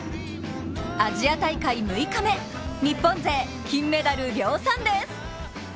アジア大会６日目、日本勢、金メダル量産です。